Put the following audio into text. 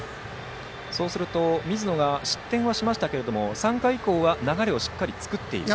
そうすると水野が失点はしましたが３回以降は流れをしっかり作っていると。